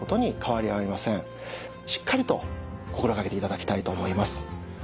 しっかりと心掛けていただきたいと思います。